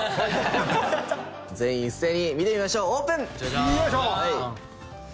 全員一斉に見てみましょうオープン！